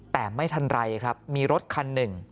แต่ไม่ทันไรครับมีรถคันหนึ่ง